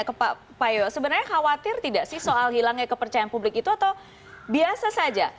ke pak payo sebenarnya khawatir tidak sih soal hilangnya kepercayaan publik itu atau biasa saja